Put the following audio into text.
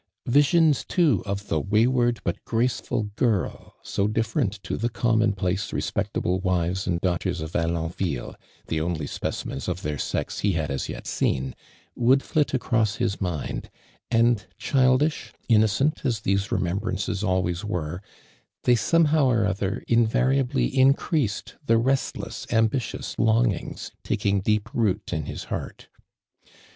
Visions, loo, of the wayward hut graceful girl, so dittbrent to the common jdace, respectable wives and daughters of Alon ville, the only specimens of tlu'ii" sex he had as yet seen, woulil ttit across his mind, and childish, innocent as these remem brances always weie, they some how or other invariably increased the restless, ambitious longings taking deep root in his heart.